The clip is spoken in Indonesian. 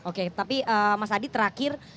oke tapi mas adi terakhir